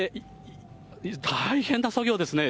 大変な作業ですね。